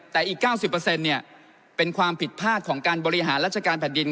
แต่อีกเก้าสิบเปอร์เซ็นต์เนี่ยเป็นความผิดพลาดของการบริหารรัชการแผ่นดิน